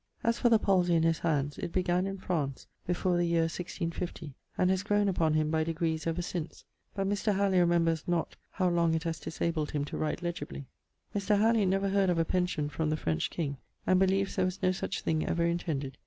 As for the palsey in his hands, it began in ffrance, before the year 1650, and has grown upon him by degrees ever since; but Mr. Halleley remembers not how long it has disabled him to write legibly. Mr. Halleley never heard of a pension from the ffrench king and beleeves there was no such thing ever intended.